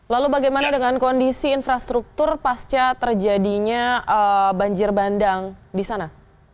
lalu bagaimana dengan kondisi infrastruktur pasca terjadinya banjir bandang di sana